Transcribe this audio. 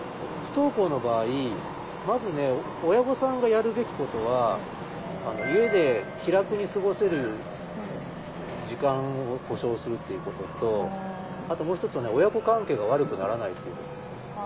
不登校の場合まずね親御さんがやるべきことは家で気楽に過ごせる時間を保障するっていうこととあともう一つは親子関係が悪くならないっていうことですね。